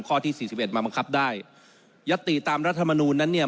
ข้อที่๔๑มาบังคับได้ยัตติตามรัฐมนูลนั้นเนี่ย